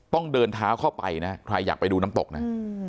ต้องเดินเท้าเข้าไปนะใครอยากไปดูน้ำตกนะ